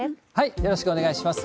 よろしくお願いします。